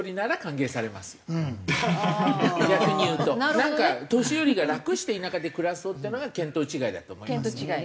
なんか年寄りが楽して田舎で暮らそうっていうのが見当違いだと思いますよ。